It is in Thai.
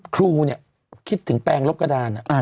ครูเนี่ยคิดถึงแปลงลบกระดาน